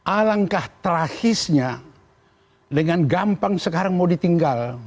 alangkah terakhirnya dengan gampang sekarang mau ditinggal